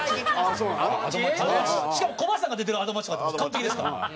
しかもコバさんが出てる『アド街』とかやったら完璧ですから。